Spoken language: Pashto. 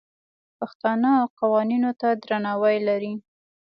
پښتانه قوانینو ته درناوی لري.